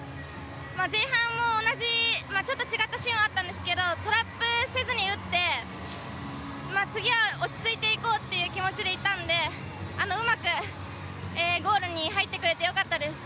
前半も同じちょっと違ったシーンはあったんですけどトラップせずに打って次は落ち着いていこうという気持ちで行ったんで、うまくゴールに入ってくれてよかったです。